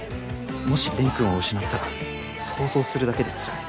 もし蓮くんを失ったら想像するだけでつらい。